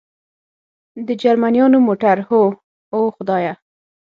د جرمنیانو موټر؟ هو، اوه خدایه.